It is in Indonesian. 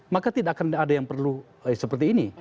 maka tidak akan ada yang perlu seperti ini